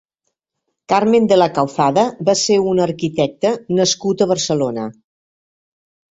Carmen de la Calzada va ser un arquitecte nascut a Barcelona.